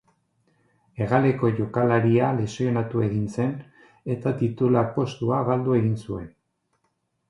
Hegaleko jokalaria lesionatu egin zen eta titular postua galdu egin zuen.